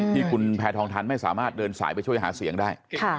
ที่คุณแพทองทันไม่สามารถเดินสายไปช่วยหาเสียงได้